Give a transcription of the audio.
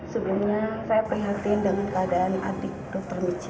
sebenarnya saya perhatikan keadaan adik dr michi